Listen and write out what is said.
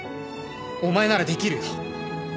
お前なら出来るよ。